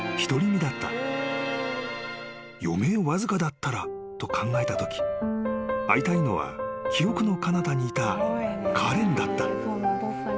［余命わずかだったらと考えたとき会いたいのは記憶のかなたにいたカレンだった］